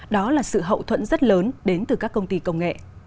đó là sự hậu thuẫn rất lớn đến từ các công ty công nghệ